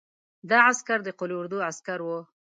دا عسکر د قول اردو عسکر وو.